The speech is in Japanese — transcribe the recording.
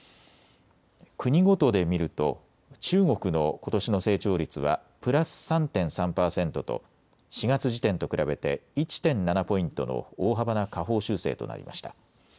国ごとで見ると中国のことしの成長率はプラス３．３％と４月時点と比べて１．７ポイントの大幅な下方修正となりました。